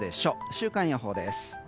週間予報です。